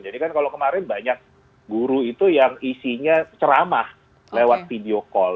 jadi kan kalau kemarin banyak guru itu yang isinya ceramah lewat video call